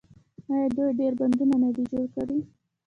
آیا دوی ډیر بندونه نه دي جوړ کړي؟